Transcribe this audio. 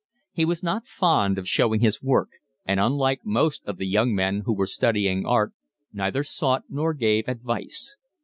He was not fond of showing his work, and unlike most of the young men who were studying art neither sought nor gave advice.